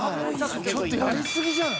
ちょっとやり過ぎじゃない？